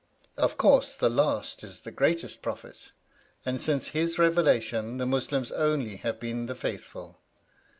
Of course the last is the greatest Prophet, and since his revelation the Muslims only have been the faithful.